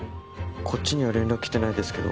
こっちには連絡来てないですけど。